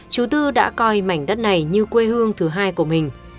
chú tư đã coi mảnh đất này như quê hương thứ hai của mình